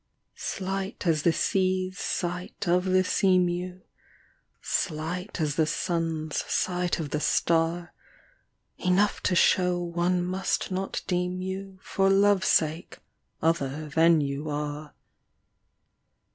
Slight as the sea's sight of the sea mew. Slight as the sun's sight of the star : Enough to show one must not deem you For love's sake other than you are.